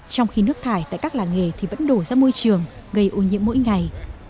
trong khi nước thải tại các làng nghề thì vẫn đổ ra môi trường gây ô nhiễm mỗi ngày